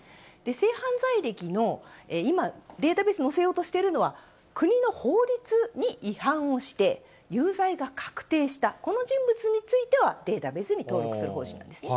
性犯罪歴の今、データベースに載せようとしているのは、国の法律に違反をして、有罪が確定したこの人物についてはデータベースに登録する方針なんですね。